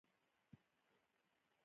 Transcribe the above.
هراړخیز معلومات